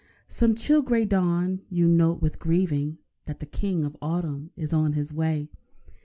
Some chill grey dawn you note with grieving That the King of Autumn is on his way.